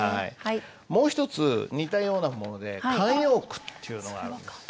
もう一つ似たようなもので慣用句っていうのがあります。